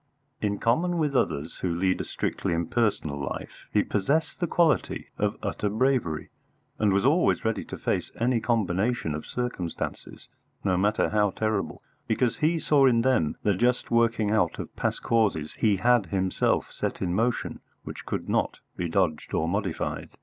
In common with others who lead a strictly impersonal life, he possessed the quality of utter bravery, and was always ready to face any combination of circumstances, no matter how terrible, because he saw in them the just working out of past causes he had himself set in motion which could not be dodged or modified.